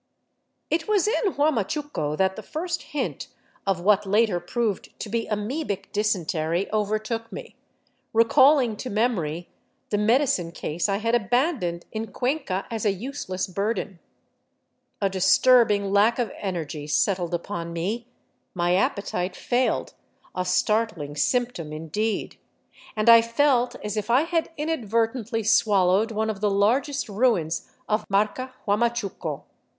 It was in Huamachuco that the first hint of what later proved to be amoebic dysentery overtook me, recalling to memory the medicine case I had abandoned in Cuenca as a useless burden. A disturbing lack of energy settled upon me, my appetite failed — a startling symptom, in deed — and I felt as if I had inadvertently swallowed one of the largest ruins of Marca Huamachuco.